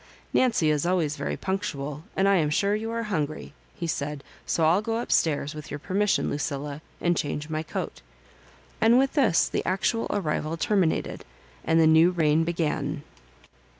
" Nancy is always very punctual, and I a n sure you are hungry," he said ;" so I'lljgo up stairs, with your permission, Lucilla^ arid change my coat;" and with this the actual arrival terminated, and the new reign began.